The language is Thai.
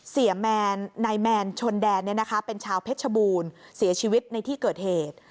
นายแมนชนแดนเป็นชาวเพชรบูรณ์เสียชีวิตในที่เกิดเหตุ